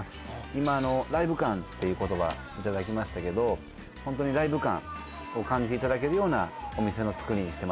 今ライブ感っていう言葉いただきましたけどホントにライブ感を感じていただけるようなお店のつくりにしてますので